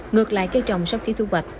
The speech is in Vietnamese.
ngược lại cây trồng sau khi thu hoạch